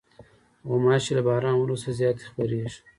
غوماشې له باران وروسته زیاتې خپرېږي.